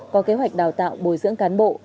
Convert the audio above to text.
có kế hoạch đào tạo bồi dưỡng cán bộ